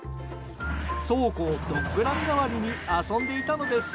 倉庫をドッグラン代わりに遊んでいたのです。